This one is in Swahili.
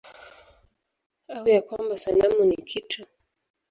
Au ya kwamba sanamu ni kitu?